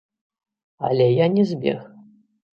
Але я не збег.